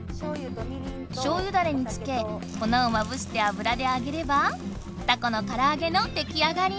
しょうゆダレにつけこなをまぶしてあぶらであげればタコのからあげの出来上がり！